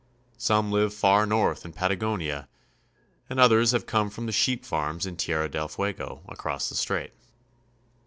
Some live far north in Pata gonia, and others have come from the sheep farms in Tierra del Fuego, across the strait.